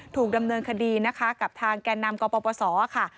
ถูกดำเนินคดีนะคะกับทางแก่นำกปศค่ะ